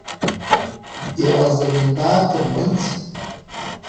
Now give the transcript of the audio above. یوه زمیندار ترمنځ.